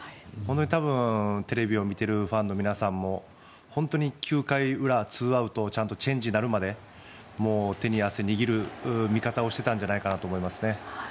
多分、テレビを見ているファンの皆さんも９回裏２アウトちゃんとチェンジになるまで手に汗握る見方をしていたんじゃないかなと思いますね。